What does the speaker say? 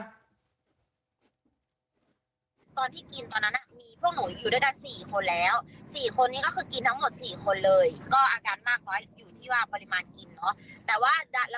ตอนที่กินตอนนั้นอ่ะมีพวกหนูอยู่ด้วยกันสี่คนแล้ว